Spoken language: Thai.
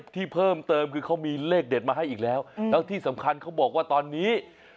ที่เพิ่มเติมคือเขามีเลขเด็ดมาให้อีกแล้วแล้วที่สำคัญเขาบอกว่าตอนนี้